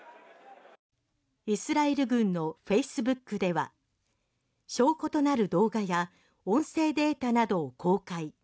イスラエル軍のフェイスブックでは証拠となる動画や音声データなどを公開。